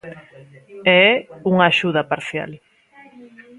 E é unha axuda parcial.